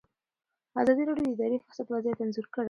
ازادي راډیو د اداري فساد وضعیت انځور کړی.